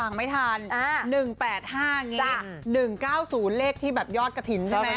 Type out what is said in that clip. ๑๘๕งี้๑๙๐เลขที่แบบยอดกระถิ่นใช่ไหม